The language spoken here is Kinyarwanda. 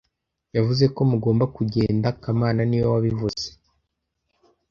Yavuze ko mugomba kugenda kamana niwe wabivuze